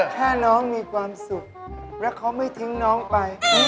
แค่น้องมีความสุขแล้วเขาไม่ทิ้งน้องไป